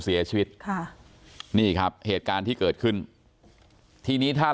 เสียชีวิตค่ะนี่ครับเหตุการณ์ที่เกิดขึ้นทีนี้ถ้า